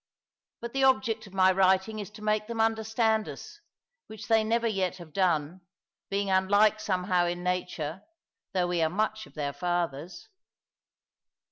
But the object of my writing is to make them understand us, which they never yet have done, being unlike somehow in nature, although we are much of their fathers.